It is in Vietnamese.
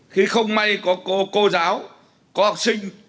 khi không may có cô giáo có học sinh